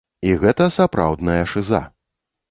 І гэта сапраўдная шыза.